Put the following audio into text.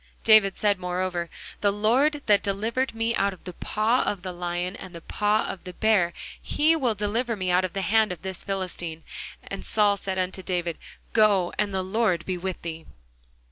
David said moreover, The Lord that delivered me out of the paw of the lion, and out of the paw of the bear, he will deliver me out of the hand of this Philistine. And Saul said unto David, Go, and the Lord be with thee.